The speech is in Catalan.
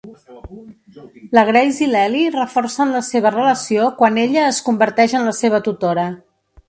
La Grace i l'Eli reforcen la seva relació quan ella es converteix en la seva tutora.